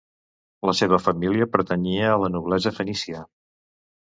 La seva família pertanyia a la noblesa fenícia.